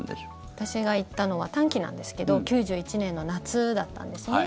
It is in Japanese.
私が行ったのは短期なんですけど９１年の夏だったんですね。